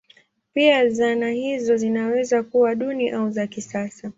Pia zana hizo zinaweza kuwa duni au za kisasa.